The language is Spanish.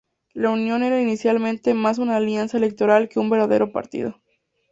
La Unión era inicialmente más una alianza electoral que un verdadero partido.